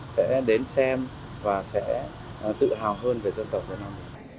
sẽ đến xem và sẽ tự hào hơn về dân tộc việt nam